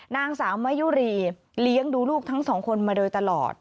นางสาวมะยุรีเลี้ยงดูลูกทั้งสองคนมาโดยตลอด